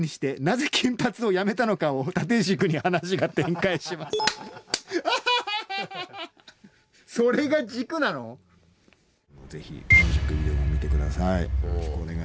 ぜひミュージックビデオも見て下さい。